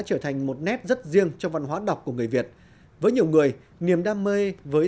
trở thành một nét rất riêng trong văn hóa đọc của người việt với nhiều người niềm đam mê với